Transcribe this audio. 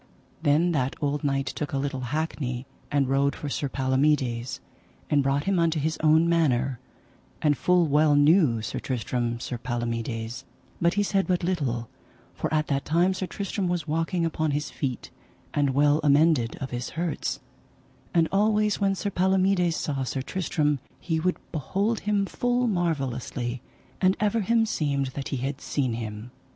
Then that old knight took a little hackney, and rode for Sir Palomides, and brought him unto his own manor; and full well knew Sir Tristram Sir Palomides, but he said but little, for at that time Sir Tristram was walking upon his feet, and well amended of his hurts; and always when Sir Palomides saw Sir Tristram he would behold him full marvellously, and ever him seemed that he had seen him.